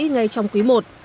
ngay trong quý i